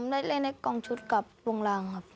เล่นกองชุดกับวงรังครับ